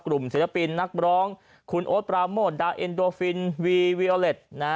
ศิลปินนักร้องคุณโอ๊ตปราโมทดาเอ็นโดฟินวีวิโอเล็ต